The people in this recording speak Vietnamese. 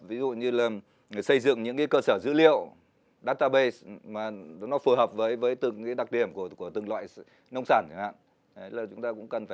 ví dụ như là xây dựng những cái cơ sở dữ liệu database mà nó phù hợp với từng cái đặc điểm của từng loại nông sản